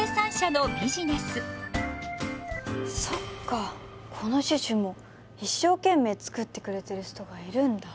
そっかこのシュシュも一生懸命作ってくれてる人がいるんだ。